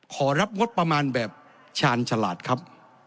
ขอรับงบประมาณแบบชาญฉลาดครับ